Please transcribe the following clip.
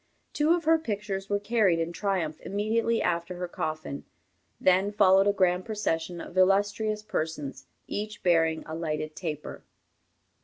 Two of her pictures were carried in triumph immediately after her coffin. Then followed a grand procession of illustrious persons, each bearing a lighted taper.